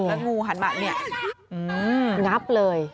แล้วงูหันมาเนี่ยงับเลย